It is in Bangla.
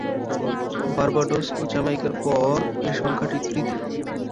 বার্বাডোস ও জ্যামাইকার পর এ সংখ্যাটি তৃতীয়।